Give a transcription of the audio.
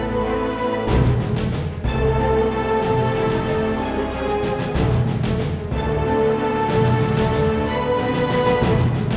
pokoknya aku sudah selesai